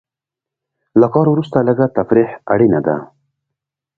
له کار وروسته لږه تفریح اړینه ده.